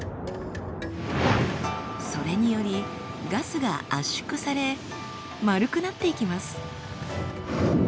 それによりガスが圧縮され丸くなっていきます。